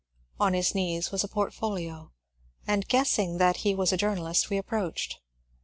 On his knees was a portfolio, and guessing that he was a journalist, we approached.